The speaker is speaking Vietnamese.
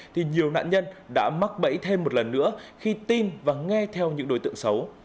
thì nhiều nạn nhân đã mắc bẫy thêm một lần nữa khi tin và nghe theo những đối tượng xấu